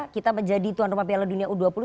kita menjadi tuan rumah piala dunia u dua puluh